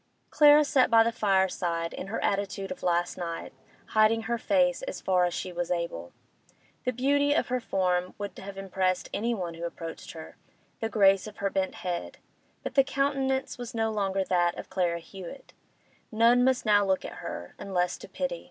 Clara sat by the fireside, in her attitude of last night, hiding her face as far as she was able. The beauty of her form would have impressed anyone who approached her, the grace of her bent head; but the countenance was no longer that of Clara Hewett; none must now look at her, unless to pity.